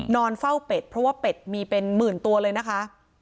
นอนเฝ้าเป็ดเพราะว่าเป็ดมีเป็นหมื่นตัวเลยนะคะ